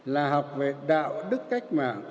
là học về đạo đức cách mạng